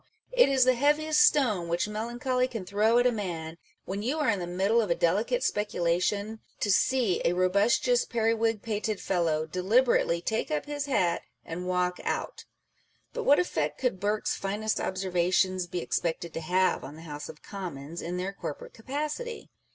it is " the heaviest stone which melancholy can throw at a man," when you are in the middle of a delicate speculation to see " a robusteous periwig pated fellow " deliberately take up his hat and walk out. But what effect could Burke's finest observations be expected to have on the House of Commons in their corporate capacity?